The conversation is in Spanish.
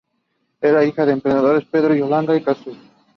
Era hija de los emperadores Pedro y Yolanda de Constantinopla.